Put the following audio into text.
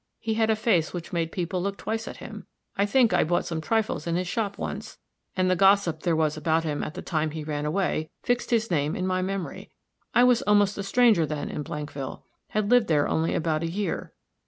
He had a face which made people look twice at him. I think I bought some trifles in his shop once. And the gossip there was about him at the time he ran away, fixed his name in my memory. I was almost a stranger then in Blankville had lived there only about a year."